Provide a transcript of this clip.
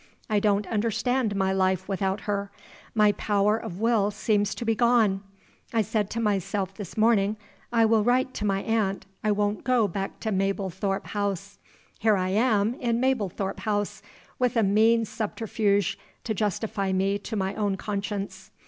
I don't understand my life without her. My power of will seems to be gone. I said to myself this morning, 'I will write to my aunt; I won't go back to Mablethorpe House.' Here I am in Mablethorpe House, with a mean subterfuge to justify me to my own conscience.